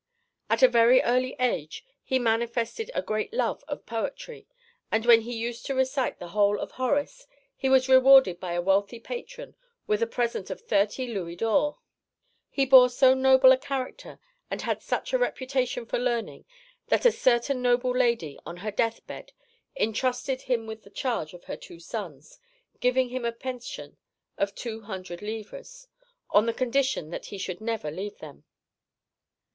At a very early age he manifested a great love of poetry, and when he used to recite the whole of Horace he was rewarded by a wealthy patron with a present of thirty louis d'ors. He bore so noble a character and had such a reputation for learning that a certain noble lady on her death bed entrusted him with the charge of her two sons, giving him a pension of two hundred livres, on the condition that he should never leave them.